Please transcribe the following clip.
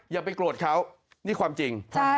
ไม่ไปโกรธเค้านี่ความจริง